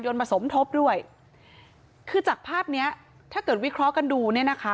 มาสมทบด้วยคือจากภาพเนี้ยถ้าเกิดวิเคราะห์กันดูเนี่ยนะคะ